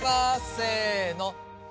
せの。